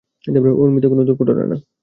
ওর মৃত্যু কোনো দুর্ঘটনা না।